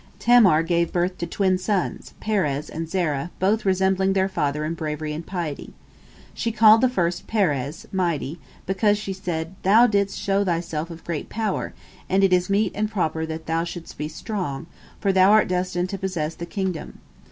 Tamar gave birth to twin sons, Perez and Zerah, both resembling their father in bravery and piety. She called the first Perez, "mighty," because she said, "Thou didst show thyself of great power, and it is meet and proper that thou shouldst be strong, for thou art destined to possess the kingdom."